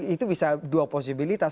itu bisa dua posibilitas